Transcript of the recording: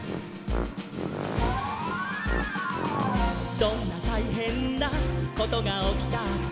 「どんなたいへんなことがおきたって」